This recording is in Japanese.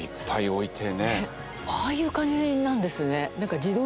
ああいう感じなんですね。